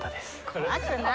怖くない！